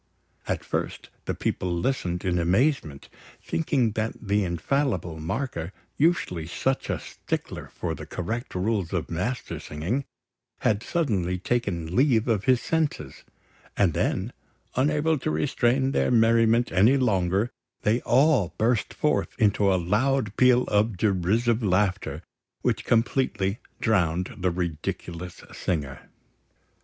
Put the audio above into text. At first, the people listened in amazement, thinking that the infallible marker, usually such a stickler for the correct rules of Mastersinging, had suddenly taken leave of his senses; and then, unable to restrain their merriment any longer, they all burst forth into a loud peal of derisive laughter, which completely drowned the ridiculous singer.